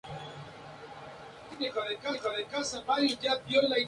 La suma de las formas sal y ácido se llama reserva alcalina.